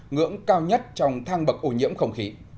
ngưỡng cao nhất trong thang bậc ô nhiễm không khí